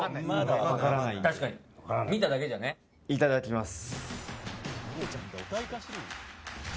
いただきます。